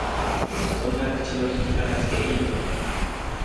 そんな口の利き方していいのか？